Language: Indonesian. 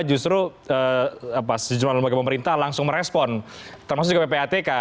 justru sejumlah lembaga pemerintah langsung merespon termasuk juga ppatk